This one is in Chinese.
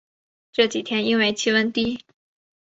这几天因为气温低